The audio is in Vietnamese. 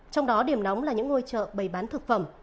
trong đó điểm nóng là những ngôi chợ bày bán thực phẩm